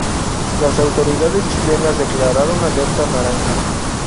Las autoridades chilenas declararon alerta naranja.